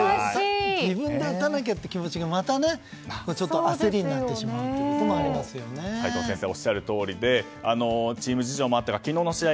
自分で打たなきゃって気持ちがまた焦りになってしまうことも齋藤先生がおっしゃるとおりでチーム事情もあって昨日の試合